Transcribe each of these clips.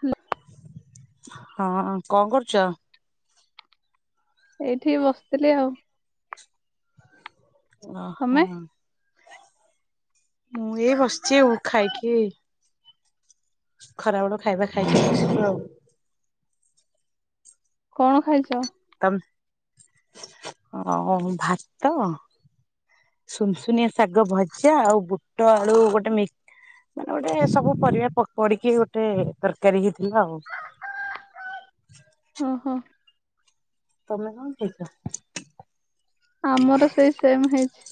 Hello. ହଁ କଣ କରୁଛ? ଏଇଠି ବସିଥିଲି ଆଉ। ଓହୋ। ତମେ ମୁଁ ଏଇ ବସିଛି ଆଉ ଖାଇକି ଖରାବେଳୁ ଖାଇବା ଖାଇକି ବସିଛୁ ଆଉ। କଣ ଖାଇଛ? ତମ ଓ ଭାତ ଶୁନ୍ ଶୁନିଆ ଶା ଶାଗ ଭଜା ଆଉ ବୁଟ ଆଳୁ ଗୋଟେ ମି ମାନେ ଗୋଟେ ସବୁ ପରିବା ପଡିକି ଗୋଟେ ତରକାରୀ ହେଇଥ୍ ଥିଲା ଆଉ। ଓହୋ ତମେ କଣ ଖାଇଚ? ଆମର ସେଇ ସେମ ହେଇଚି।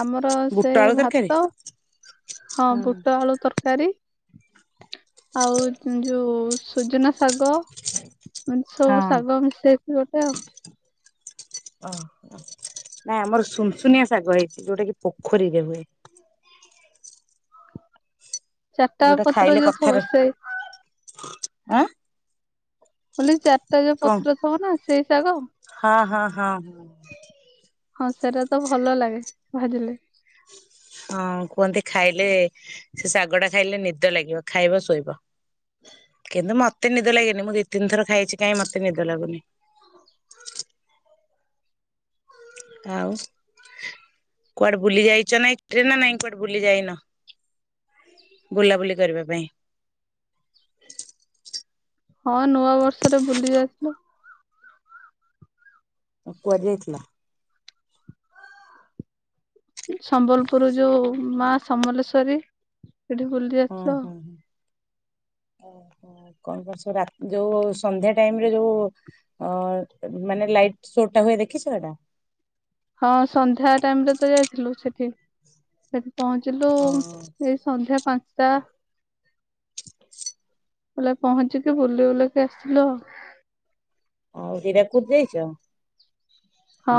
ଆମର ସେ ବୁଟ ଆଳୁ ତରକାରୀ? ଭାତ ହଁ ହୁଁ ବୁଟ ଆଳୁ ତରକାରୀ। ଆଉ ଯୋଉ ସଜନା ଶାଗ ଛଉ ହଁ ଶାଗ ମିଶେଇକି ଗୋଟେ ଆଉ। ଓ ହ ନାଇଁ ଆମର ସୁନସୁନିଆ ଶାଗ ହେଇଛି ଯୋଉଟା କି ପୋଖରୀରେ ହୁଏ। ଚାରିଟା ଯୋଉଟା ପତ୍ର ଖାଇଲେ ଯୋଉ ଥିବ କଥାରେ ସେ ଆଁ? ମୁଁ କହିଲି ଚାରିଟା ଯୋଉ କଣ ପତ୍ର ଥିବ ନା ସେଇ ଶାଗ। ହଁ ହଁ ହଁ ହଁ ସେଟା ତ ଭଲ ଲାଗେ ଭାଜିଲେ। ହଁ କୁହନ୍ତି ଖାଇଲେ ସେ ଶାଗ ଟା ଖାଇଲେ ନିଦ ଲାଗିବ ଖାଇବ ଶୋଇବ। କିନ୍ତୁ ମତେ ନିଦ ଲାଗେନି ମୁଁ ଦି ତିନିଥର ଖାଇଛି କାଇହିଁ ମତେ ନିଦ ଲାଗୁନି। ଆଉ କୁଆଡେ ବୁଲି ଯାଇଚ ନା [unintelligible] ନା ନାଇଁ କୁଆଡେ ବୁଲି ଯାଇନ, ବୁଲାବୁଲି କରିବା ପାଇଁ? ହଁ ନୂଆ ବର୍ଷରେ ବୁଲି ଯାଇଥିଲୁ। କୁଆଡେ ଯାଇଥିଲ? ସମ୍ବଲପୁର ଯୋଉ ମା ସମଲେଶ୍ଵରୀ। ସେଠି ବୁଲି ହଁ ଆସିଚୁ ଆଉ। ହଁ ଓହୋ କଣ କଣ ସବୁ ରା ଯୋଉ ସନ୍ଧ୍ୟା ଟାଇମରେ ଯୋଉ ଅ ମାନେ ଲାଇଟ ସୋ ଟା ହୁଏ ଦେଖିଚ ହେଟା? ହଁ ସନ୍ଧ୍ୟା ଟାଇମ ରେ ତ ଯାଇଥିଲୁ ସେଠି। ସେ ପହଞ୍ଚିଲୁ ହଁ। ଏଇ ସନ୍ଧ୍ୟା ପାଞ୍ଚଟା ବଲେ ପହଞ୍ଚିକି ବୁଲ ବୁଲକି ଆସିଲୁ ଆଉ। ଆଉ ହୀରାକୁଦ ଯାଇଚ? ହଁ।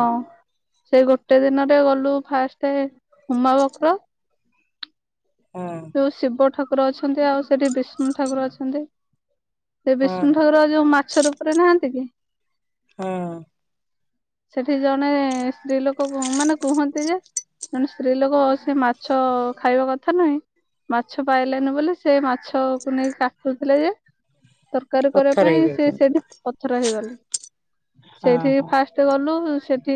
ସେ ଗୋଟେ ଦିନରେ ଗଲୁ ଫାଷ୍ଟ ଉମା ପଖର ହଁ ଯୋ ଶିବ ଠାକୁ ର ଅଛନ୍ତି ଆଉ ସେଠି ବିଷ୍ଣୁ ଠାକୁର ଅଛନ୍ତି। ସେ ହଁ ବିଷ୍ଣୁ ହଁ ଠାକୁର ଯୋଉ ମାଛ ରୂପରେ ନାହାନ୍ତି କି? ହଁ ସେଠି ଜଣେ ସ୍ତ୍ରୀ ଲୋକ ମାନେ କୁହନ୍ତି ଯେ ଜଣେ ସ୍ତ୍ରୀ ଲୋକ ସେ ମାଛ ଖାଇବା କଥା ନୁହେଁ। ମାଛ ପାଇଲେନି ବୋଲି ସେ ମାଛକୁ ନେଇକି କାଟୁଥିଲେ ଯେ ତରକାରୀ କରିବା ପଥର ପାଇଁ ସେ ହେଇଯାଇଛନ୍ତି। ସେଇଠି ପଥର ହେଇଗଲେ ହଁ ସେଇଠି ହଁ ଫାଷ୍ଟ ଗଲୁ ସେଠି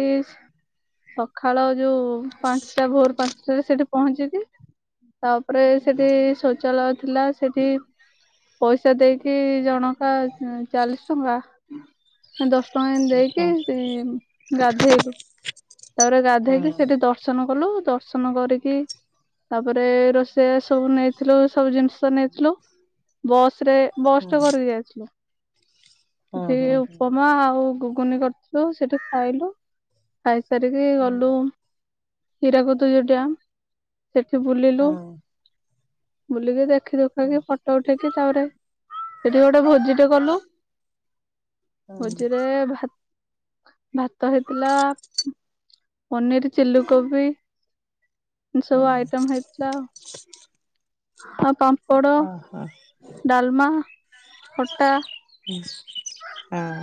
ସକାଳ ଯୋଉ ପାଞ୍ଚଟା ଭୋର ପାଞ୍ଚଟା ସେ ସେଠି ପହଞ୍ଚିିକି ତାପରେ ସେଠି ଶୌଚାଳୟ ଥିଲା ସେଠି ପଇସା ଦେଇକି ଜଣ ଟା ଚାଳିଶ ଟଙ୍କା, ଦଶ ଟଙ୍କା ଦେଇକି ହଁ। ଗାଧେଇଲୁ। ତାପରେ ହଁ ଗାଧେଇକି ସେଠି ଦର୍ଶନ କଲୁ। ଦର୍ଶନ କରିକି ତାପରେ ରୋଷେୟା ସବୁ ନେଇଥିଲୁ ସବୁ ଜିନିଷ ନେଇଥିଲୁ ବସ୍ ସେ ବସ୍ ହଁ। ଟେ କରିକି ଯାଇଥିଲୁ। ହଁ ସେ ହଁ ଉପମା ଆଉ ଗୁଗୁନି କରିଥିଲୁ ସେଠି ଖାଇଲୁ। ଖାଇସାରିକି ହଁ ଗଲୁ ହୀରାକୁଦ ଯୋଉ ଡାମ୍ ସେଟା ବୁଲିଲୁ ହଁ ବୁଲିକି ଦେଖିଲୁ କ୍ଷୀର ପିଇକି ଫଟୋ ଉଠେଇକି ତାପରେ ସେଠି ଗୋଟେ ଭୋଜିଟେ କଲୁ ଭୋଜିରେ ଭାତ ଭାତ ହେଇଥିଲା ପନିର ଚିଲିକୋବି ସବୁ ହଁ ଆଇଟମ ହେଇଥିଲା। ହଁ ପା। ଓ ହୋ [inaudible] ଡାଲମା, ଖଟା ହ [inaudible] ହଁ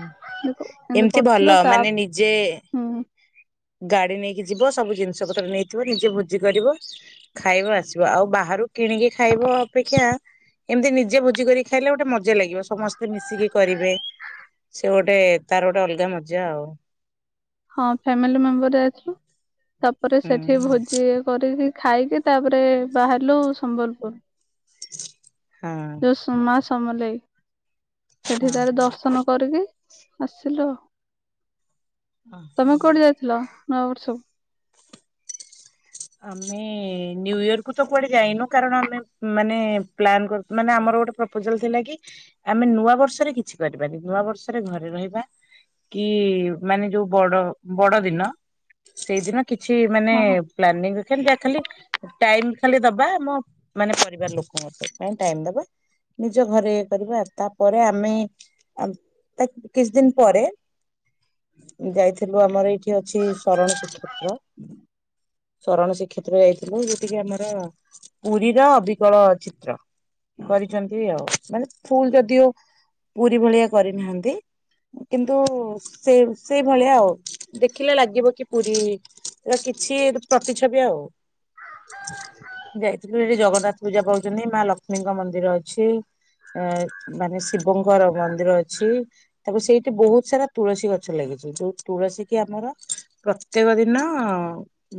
[inaudible] ଏମିତି କରିଥିଲୁ ଭଲ ତା ମାନେ ନିଜେ [inaudible] ଗାଡି ନେଇକି ଯିବ ସବୁ ଜିନିଷ ପତ୍ର ନେଇଥିବ ନିଜେ ଭୋଜି କରିବ ଖାଇବ ଆସିବ। ଆଉ ବାହାରୁ କିଣିକି ଖାଇବ ଅପେକ୍ଷା ଏମିତି ନିଜେ ଭୋଜି କରିକି ଖାଇଲେ ଗୋଟେ ମଜା ଲାଗିବ ସମସ୍ତେ ମିଶିକି କରିବେ ସେ ଗୋଟେ ତାର ଗୋଟେ ଅଲଗା ମଜା ଆଉ। ହଁ। ଫ୍ୟାମିଲି ମେମ୍ବର ଯାଇଥିଲୁ। ତାପରେ ସେଠି ହୁଁ ଭୋଜି କରିକି ଖାଇକି ତାପରେ ବାହାରିଲୁ ସମ୍ବଲପୁର। ହଁ ଯୋଉ ମା ସମଲେଇ ହଁ ସେଠି ତାର ଦର୍ଶନ କରିକି ଆସିଲୁ। ତମେ ହଁ କୋଉଠି ଯାଇଥିଲ? ନୂଆବର୍ଷକୁ ଆମେ ନ୍ୟୁୟରକୁୁ ତ କୁଆଡେ ଯାଇନୁ। କାରଣ ଆମେ ମାନେ ପ୍ଲାନ କର ମାନେ ଆମର ଗୋଟେ ପ୍ରପୋଜାଲ ଥିଲା କି ଆମେ ନୂଆ ବର୍ଷରେ କିଛି କରିବାନି। ନୂଆ ବର୍ଷରେ ଘରେ ରହିବା କି ମାନେ ଯୋଉ ବଡ ବଡ ଦିନ ସେଇଦିନ କିଛି ମାନେ ହଁ ଯ ଖା ଟାଇମ ଖାଲି ଦବା ଆମ ମାନେ ପରିବାର ଲୋକଙ୍କ ପାଇଁ ଟାଇମ ଦବା, ନିଜ ଘରେ କରିବା ତାପରେ ଆମେ କିଛି ଦିନ ପରେ ଯାଇଥିଲୁ। ଆମର ଏଇଠି ଅଛି ଶରଣ ଶ୍ରୀକ୍ଷେତ୍ର। ଶରଣ ଶ୍ରୀକ୍ଷେତ୍ର ଯାଇଥିଲୁ ଯଉଠ କିି ଆମର ପୁରୀର ଅବିକଳ ଚିତ୍ର କରିଛନ୍ତି। ଆଉ ମାନେ ଫୁଲ ଯଦିଓ ପୁରୀ ଭଳିଆ କରିନାହାନ୍ତି କିନ୍ତୁ ସେ ସେଇ ଭଳିଆ ଆଉ ଦେଖିଲେ ଲାଗିବ କି ପୁରୀର କିଛି ପ୍ରତିଛବି ଆଉ ଯାଇଥିଲି ସେଠି ଜଗନ୍ନାଥ ପୂଜା ପାଉଛନ୍ତି। ମା ଲକ୍ଷ୍ମୀଙ୍କ ମନ୍ଦିର ଅଛି। ଆ ମାନେ ଶିବଙ୍କର ମନ୍ଦିର ଅଛି। ତାକୁ ସେଇଠି ବହୁତ ସାରା ତୁଳସୀ ଗଛ ଲାଗିଛି ଯୋଉ ତୁଳସୀ କି ଆମର ପ୍ରତ୍ୟେକ ଦିନ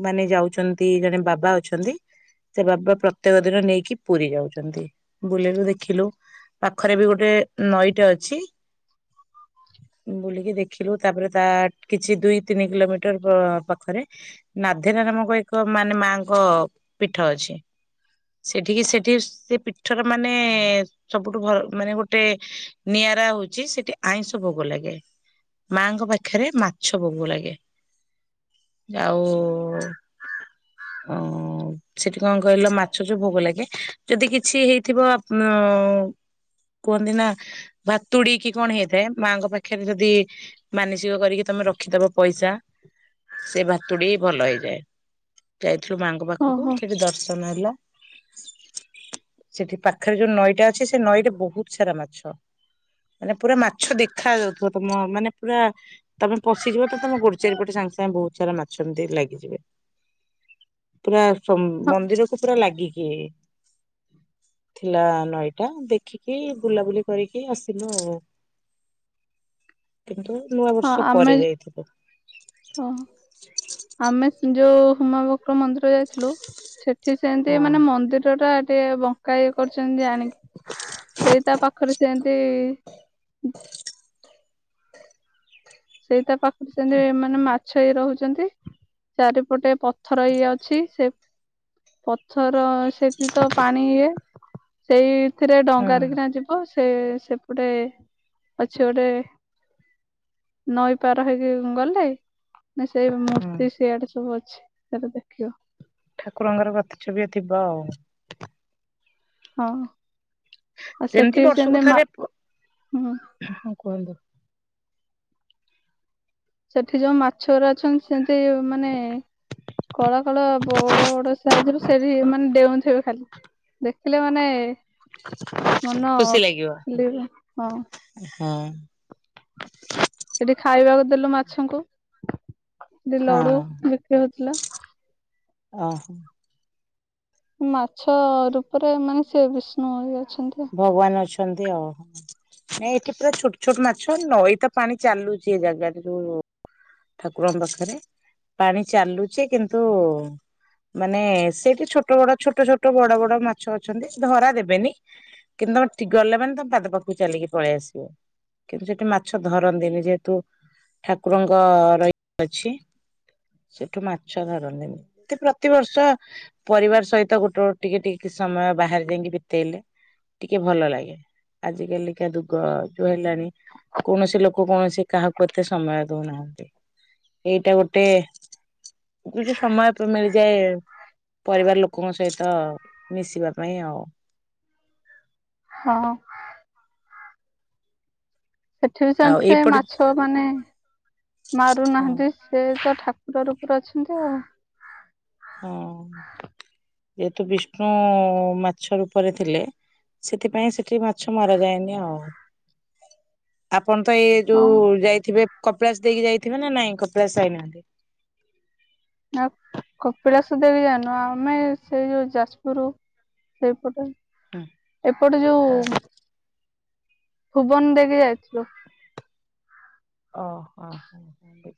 ମାନେ ଯାଉଛନ୍ତି। ଜଣେ ବାବା ଅଛନ୍ତି ସେ ବାବା ପ୍ରତ୍ୟେକ ଦିନ ନେଇକି ପୁରୀ ଯାଉଛନ୍ତି। ବୁଲିଲୁ ଦେଖିଲୁ ପାଖରେ ବି ଗୋଟେ ନଈଟା ଅଛି ବୁଲିକି ଦେଖିଲୁ। ତାପରେ, ତା କିଛି ଦୁଇ ତିନି କିଲୋମିଟ [unintelligible] ପାଖରେ ନାଧନା ନାମକ ଏକ ମାନେ ମାଙ୍କ ପୀଠ ଅଛି। ସେଠିକି ସେଠି ସେ ପୀଠର ମାନେ ସବୁଠୁ ଭ ମାନେ ଗୋଟେ ନିଆରା ହଉଛି ସେଠି ଆଇଁଷ ଭୋଗ ଲାଗେ। ମାଙ୍କ ପାଖରେ ମାଛ ବୋଗ ଲାଗେ। ଆଉ ଓ ଅ ସେଠି କଣ କହିଲ ମାଛ ଯୋଉ ଭୋଗ ଲାଗେ, ଯଦି କିଛି ହେଇଥିବ ଆ କୁହନ୍ତି ନା ଭାତୁଡି କି କଣ ହେଇଥାଏ ମାଙ୍କ ପାଖରେ ଯି ଯଦି ମାନସିକ କରିକି ତମେ ରଖିଦବ ପଇସା ସେ ଭା [unintelligible] ଭଲ ହେଇଯାଏ। ଯ ମାଙ୍କ ପାଖକୁ ଓହୋ ସେଠି ଦର୍ଶନ ହେଲା। ସେଠି ପାଖରେ ଯୋଉ ନଈଟା ଅଛି ସେ ନଈରେ ବହୁତ ସାରା ମାଛ, ମାନେ ପୁରା ମାଛ ଦେଖା ଯାଉଥିବ। ତମ ମାନେ ପୁରା ତମେ ପଶିଯିବ ତ ତମ ଗୋଡି ଚାରିପଟେ ସାଙ୍ଗେ ସାଙ୍ଗେ ବହୁତ ସାରା ମାଛ ସେମତି ଲାଗିଯିବେ। ପୁରା ମନ୍ଦିରକୁୁ ପୁରା ଲାଗିକି ଥିଲା ନଈଟା ଦେଖିକି ବୁଲାବୁଲି କରିକି ଆସିଲୁ ଆଉ। କିନ୍ତୁ ନୂଆ ହଁ ବର୍ଷ ଆମେ ପରେ ଯାଇଥିଲୁ। ହଁ ଆମେ ସି ହୁମା ବକ୍ର ମନ୍ଦିର ଯାଇ ଥିଲୁ ସେଠି ସେମିତି ହଁ ମାନେ ମନ୍ଦିର ଟା ଇଏ ବଙ୍କା ଇଏ କରୁଚନ୍ତି ଜାଣିକି, ସେଇ ତା ପାଖରେ ସେମତି ସେଇତା ପାଖରେ ସେମିତି ମାନେ ମାଛ ଇ ରହୁଛନ୍ତି। ଚାରିପଟେ ପଥର ଇଏ ଅଛି। ସେ ପଥର ସେ ସେଠି ତ ପାଣି ଇଏ ସେଇ ଏଥିରେ ହଁ ଡଙ୍ଗାରେ କିଣା ଯିବ, ସ୍ ସେ ସେପଟେ ଅଛି ଗୋଟେ ନଈ ପାର ହେଇକି ଗଲେ? ନା ସେଇ ହଁ। ମୂର୍ତ୍ତି ସିଆଡେ ସବୁ ଅ ସେ ତାର ଦେଖିବ। ଠାକୁରଙ୍କର କଥାଛବି ଥିବ ଆଉ। ହଁ। ଆଉ ସେମିତି ସେଠି ବର୍ଷକୁ ମା ଥରେ, ହୁଁ ହଁ କୁହନ୍ତୁ। ସେଠି ଯୋଉ ମାଛ ଗୋରା ଅଛନ୍ତି ସେମିତି ମାନେ କଳା କଳା ବଡ ବଡ ସାଇଜର, ସେଠି ମାନେ ଡେଉଁଥିବେ ଖାଲି ଦେଖିଲେ ମାନେ ମନ ଖୁସି ଲାଗିବ। ଖାଲି ହଁ ହଁ। ଏଠି ଖାଇବାକୁ ଦେଲୁ ମାଛଙ୍କୁ। ଏଠି ହଁ ଲଡୁ ବିକ୍ରିହଉଚି। ଥିଲା। ଅଁ। ମାଛ ରୂପରେ ମାନେ ସେ ବିଷ୍ଣୁ ହେଲେ। ଭଗବାନ ଅଛନ୍ତି ଆଉ। ନାଇଁ ଏଠି ପୁରା ଛୋଟ ଛୋଟ ମାଛ ନଈ ତ ପାଣି ଚାଲୁଛି ଏ ଜାଗାରେ, ଯୋଉ ଠାକୁରଙ୍କ ପାଖରେ ପାଣି ଚାଲୁଛି କିନ୍ତୁ ମାନେ ସେଠି ଛୋଟ ବଡ ଛୋଟ ଛୋଟ ବଡ ବଡ ମାଛ ଅଛନ୍ତି ଧରା ଦେବେନି। କିନ୍ତୁ ତମେ ଗଲେ ମାନେ ତମ ପାଦ ପାଖକୁ ଚାଲିକି ପଳେଇ ଆସିବ କିନ୍ତୁ ସେଠି ମାଛ ଧରନ୍ତିନି ଯେହେତୁ ଠାକୁରଙ୍କ ରହି ଅଛି ସେଠୁ ମାଛ ଧରନ୍ତିନି ଏ ପ୍ରତିବର୍ଷ ପରିବାର ସହିତ ଗୋଟେ ଟିକେ ଟିକେ ସମୟ ବାହାରେ ଯାଇକି ବିତେଇଲେ ଟିକେ ଭଲ ଲାଗେ ଆଜିକାଲିକା ଯୁଗ ଯୋଉ ହେଲାଣି କୌଣସି ଲୋକ କୌଣସି କାହାକୁ ଏତେ ସମୟ ଦଉନାହାନ୍ତି ଏଇଟା ଗୋଟେ କିଛି ସମୟ ମିଳିଯାଏ ପରିବାର ଲୋକଙ୍କ ସହିତ ମିଶିବା ପାଇଁ ଆଉ। ହଁ। ସେଠି ବି ସେ ଆଉ ସେମ୍ ଏଇପଟେ ମାଛ ମାନେ ହଁ ମାରୁନାହାନ୍ତି ସେ ତ ଠା ତାର ଉପରେ ଅଛନ୍ତି ଆଉ। ହଁ ଯେହେତୁ ବିଷ୍ଣୁ ମାଛ ରୂପରେ ଥିଲେ ସେଥିପାଇଁ ସେଠି ମାଛ ମରାଯାଏନି ଆଉ। ଆପଣ ତ ଏଇ ହଁ ଯୋଉ ଯାଇଥିବେ କପଳାସ ଦେଇକି ଯାଇଥିବେ ନା ନାଇଁ, କପଳାସ ଯାଇନାହାନ୍ତି? ନା କପିଳାସ ଦେଇକି ଯାଇନୁ ଆମେ ସେଇ ଯୋଉ ଯାଜପୁର ସେଇପଟେ। ହୁଁ ଏପଟେ ଯୋଉ ଭୁବନ ଦେଇକି ଯାଇଥିଲୁ। ଓଃ ବୁଝିଲି।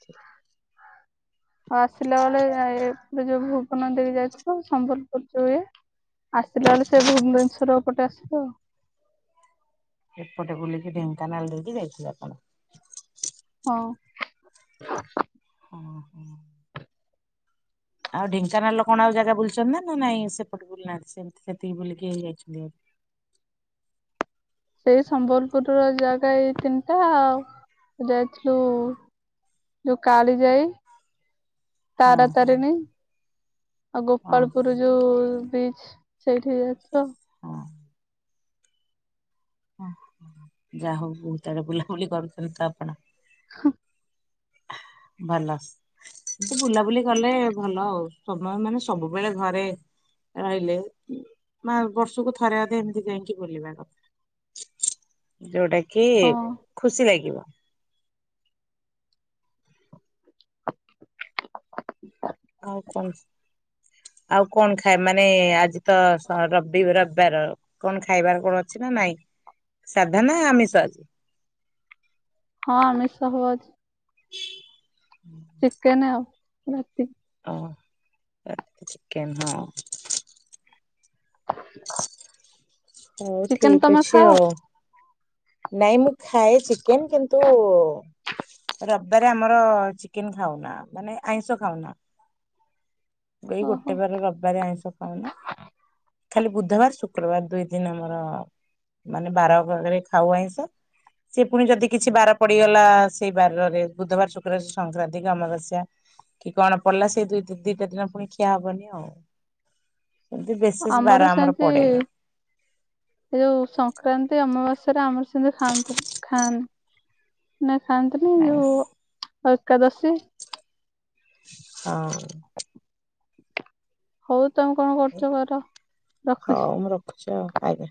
ଆଉ ଆସିଲା ବେଳେ ଡାଇରେକଟ ଯିବୁ। ତମେ ଦେଇକି ଯାଇଥିବ ସମ୍ବଲପୁର [unintelligible] ଆସିଲା ବେଳେ ସେଇ ଭୁବନେଶ୍ଵର ପଟେ ଆସି ହୁଁ। ପଟେ ବୁଲିକି ଢେଙ୍କାନାଳ ଦେଇକି ଯାଇଥିଲେ ଆପଣ। ହଁ। ଓହୋ। ଆଉ ଢେଙ୍କାନାଳ ଲୋକଣ ଆଉ ଜାଗା ବୁଲିଛନ୍ତି ନା ନା ନାଇଁ ସେପଟେ ବୁଲ ନାହାନ୍ତି ସେମିତି ସେତିକି ବୁଲିକି ହେଇଯାଇଛନ୍ତି ଆଉ। ସେଇ ସମ୍ବଲପୁରର ଜାଗା ଏଇ ତିନିଟା ଆଉ ଯାଇଥିଲୁ ଯୋଉ କାଳିଯାଇ। ହଁ ତାରାତାରିଣୀ ଆଉ ହଁ ଗୋପାଳପୁରେ ଯୋଉ ବ୍ରିଚ ସେଇଠି ଯାଉଛ ହଁ। ଓ ଯାହା ହଉ ବହୁତ ଆଡେ ବୁଲାବୁଲି କରୁଛନ୍ତି ତ ଆପଣ ହଁ। ଭଲ ଏ ବୁଲାବୁଲି କଲେ ଭଲ ଆଉ ସମୟ ମାନେ ସବୁବେଳେ ଘରେ ରହିଲେ ମା ବର୍ଷକୁ ଥରେ ଅଧେ ଏମିତି ଯାଇକି ବୁଲିବା କଥା ଯୋଉଟା କି କି ହଁ ଖୁସି ଲାଗିବ। ଆଉ କଣ ଆଉ କଣ ଖାଏ ମାନେ ଆଜି ତ ସ ରବି ର ବାର କଣ ଖାଇବାର କଣ ଅଛି ନା ନାଇଁ ସାଧ ନା ଆମିଷ ଆଜି। ହଁ ଆମିଷ ହବ ଆଯି। ଚିକେନ ଆଉ ଭାତି ଓ ଚିକେନ ହଁ [unintelligible] ହଉ ଚିକେନ ଠିକ ତମେ ଅଛି ଖାଅ ଆଉ। ନାଇଁ ମୁଁ ଖାଏ, ଚିକେନ କିନ୍ତୁ ରବିବାରେ ଆମର ଚିକେନ ଖାଉନା ମାନେ ଆଇଁଷ ଖାଉନା। ଏଇ ଗୋଟେ ଓହୋ ବାର ରବିବାର ଆଇସ ଖାଉନା। ଖାଲି ବୁଧବାର ଶୁକ୍ରବାର ଦୁଇ ଦିନ ଆମର ମାନେ ବାର ବରେ ଖାଉ ଆଇଁଷ ସେ ପୁଣି ଯଦି କିଛି ବାର ପଡିଗଲା ସେଇ ବାରରେ ବୁଧବାର ଶୁକ୍ରବାରେ ସଂକ୍ରାନ୍ତି କି ଅମାବାସ୍ୟା କି କଣ ପଡିଲା ସେଇ ଦ ଦିଟା ଦିନ ପୁଣି ଖିଆ ହବନି ଆଉ। ଏମିତି ବିଶେଷ ବାର ଆମର ସେମତି ପଡେନି। ଏ ଯୋଉ ସଂକ୍ରାନ୍ତି ଅମାବାସ୍ୟା ସ ଆମର୍ ଖାଆନ୍ତୁ ଖାଆନ୍ତ। ନେ ଖଥାନ୍ତିନି ଯୋଉ ଆଉ ଏକାଦଶୀ ହଁ। ହଉ। ତମେ କଣ କରୁଛ କର ରଖୁଛି। ହଉ ମୁଁ ରଖୁଛି ଆଉ ଆଜ୍ଞା